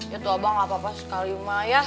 ya tuh abang nggak apa apa sekali mah ya